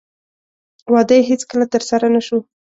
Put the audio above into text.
واده یې هېڅکله ترسره نه شو.